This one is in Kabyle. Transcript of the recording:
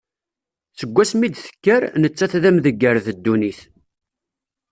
Seg wasmi i d-tekker, nettat d amdegger d ddunit.